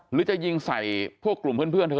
หรือจะยิงใส่พวกกลุ่มเพื่อนเธอ